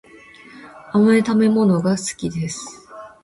甘い食べ物が好きです